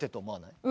うん。